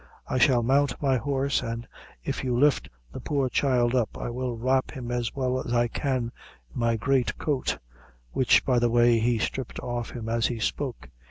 I shall mount my horse, and if you lift the poor child up, I will wrap him as well as I can in my great coat," which, by the way, he stripped off him as he spoke.